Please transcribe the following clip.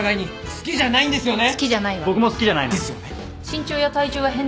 好きじゃないね。ですよね。